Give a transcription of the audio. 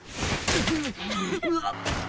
うっ！